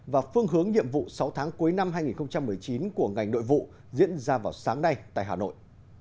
và phương hướng nhiệm vụ sáu tháng cuối năm hai nghìn một mươi chín của ngành nội vụ diễn ra vào sáng nay tại hà nội